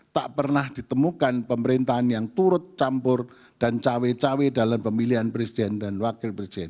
tak pernah ditemukan pemerintahan yang turut campur dan cawe cawe dalam pemilihan presiden dan wakil presiden